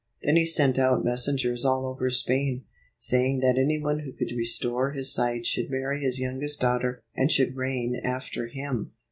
Then he sent out messengers all over Spain, saying that any one who could restore his sight should marry his youngest daughter, and should reign after him.